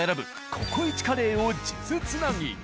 ここイチカレーを数珠つなぎ。